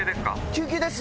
救急です。